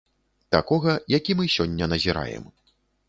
Такога, які мы сёння назіраем.